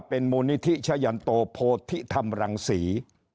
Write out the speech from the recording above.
เป็นมูลนิธิชะยันโตโพธิธรรมรังศรี